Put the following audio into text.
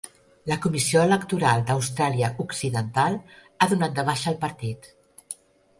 La Comissió Electoral d"Austràlia Occidental ha donat de baixa el partit.